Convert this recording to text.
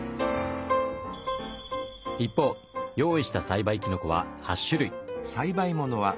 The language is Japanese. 一方用意した栽培きのこは８種類。